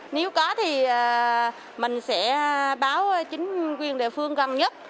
nếu có thì mình sẽ báo chính quyền địa phương gần nhất